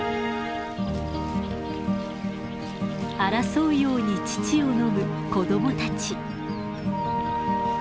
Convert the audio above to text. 争うように乳を飲む子供たち。